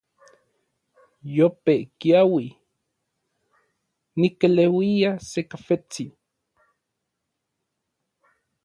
Yope kiaui, nikeleuia se kafentsi.